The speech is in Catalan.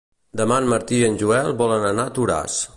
Demà en Martí i en Joel volen anar a Toràs.